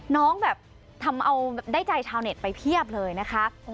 น้องแบบทำเอาได้ใจชาวเน็ตไปเพียบเลยนะคะ